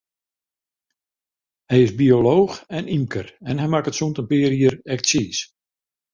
Hy is biolooch en ymker, en hy makket sûnt in pear jier ek tsiis.